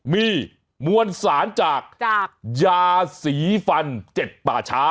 มีมวลสารจากยาสีฟัน๗ป่าช้า